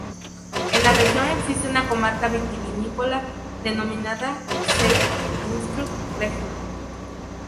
En la región existe una comarca vitivinícola denominada Saale-Unstrut-Region.